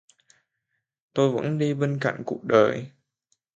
Tôi vẫn đi bên cạnh cuộc đời